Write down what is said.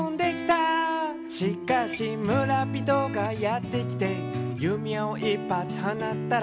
「しかし村人がやって来て」「弓矢を一ぱつはなったら」